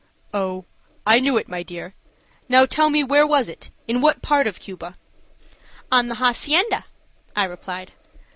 "Oh, I knew it, my dear. Now, tell me were was it? In what part of Cuba?" "On the hacienda," I replied.